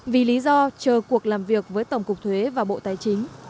vì lý do chờ cuộc làm việc với tổng cục thuế và bộ tài chính